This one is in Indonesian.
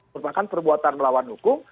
merupakan perbuatan melawan hukum